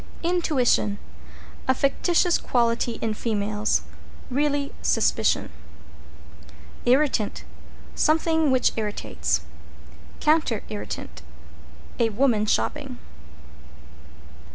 =INTUITION= A fictitious quality in females really Suspicion. =IRRITANT= Something which irritates. =COUNTER IRRITANT= A woman shopping.